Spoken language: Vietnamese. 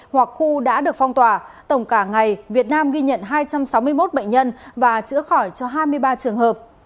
hoặc khu đã được phong tỏa tổng cả ngày việt nam ghi nhận hai trăm sáu mươi một bệnh nhân và chữa khỏi cho hai mươi ba trường hợp